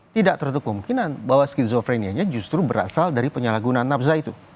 tidak tertutup kemungkinan bahwa skizofrenianya justru berasal dari penyalahgunaan nafsa itu